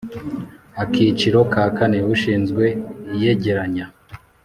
Akiciro ka kane Ushinzwe iyegeranya